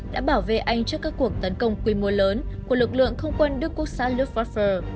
đã bảo vệ anh trước các cuộc tấn công quy mô lớn của lực lượng không quân đức quốc sát lufther